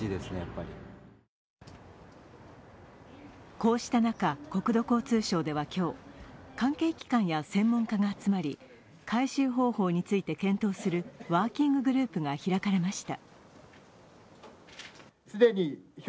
こうした中、国土交通省では今日関係機関や専門家が集まり、回収方法について検討するワーキンググループが開かれました。